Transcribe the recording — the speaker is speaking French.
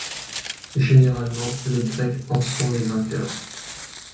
Généralement les grecs en sont les vainqueurs.